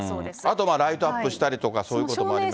あとライトアップしたりとか、そういうこともありますから。